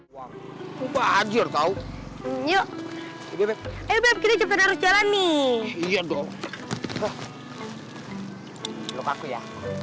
sampai jumpa di video selanjutnya